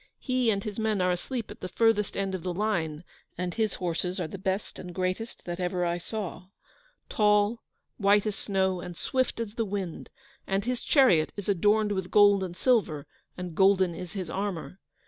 He and his men are asleep at the furthest end of the line, and his horses are the best and greatest that ever I saw: tall, white as snow, and swift as the wind, and his chariot is adorned with gold and silver, and golden is his armour.